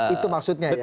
itu maksudnya ya